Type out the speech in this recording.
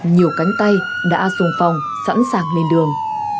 nhiều cánh tay đã dùng phòng sẵn sàng lên đường